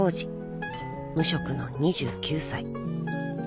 ［無職の２９歳］